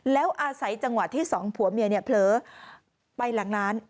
แล้วอาศัยจังหวะที่สองผัวเมียเนี่ยเผลอไปหลังร้าน